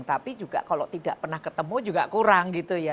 tapi juga kalau tidak pernah ketemu juga kurang gitu ya